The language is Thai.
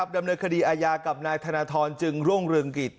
ดำเนินคดีอาญากับนายธนทรจึงรุ่งเรืองกิจ